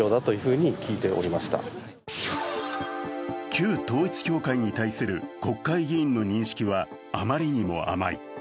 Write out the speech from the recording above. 旧統一教会に対する国会議員の認識はあまりにも甘い。